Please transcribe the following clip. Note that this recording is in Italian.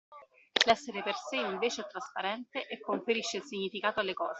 L'essere per se invece è trasparente e conferisce il significato alle cose.